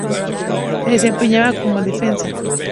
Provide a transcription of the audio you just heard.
Se desempeñaba como defensa.